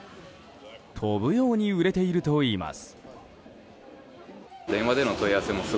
飛ぶように売れているといいます。